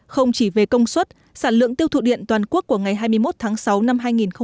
không chỉ về công suất sản lượng tiêu thụ điện toàn quốc của ngày hai mươi một tháng sáu năm hai nghìn một mươi chín